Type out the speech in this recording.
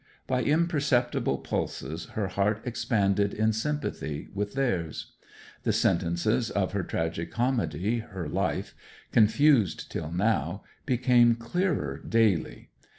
By imperceptible pulses her heart expanded in sympathy with theirs. The sentences of her tragi comedy, her life, confused till now, became clearer daily.